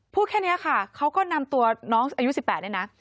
พูดแค่นี้ค่ะเขาก็นำตัวน้องอายุ๑๘เนี่ยนะ